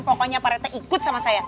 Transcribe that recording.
pokoknya pak retnya ikut sama saya